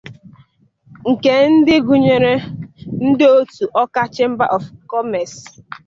nke ndị gụnyere ndị òtù 'Awka Chamber of Commerce